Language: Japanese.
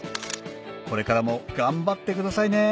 これからも頑張ってくださいね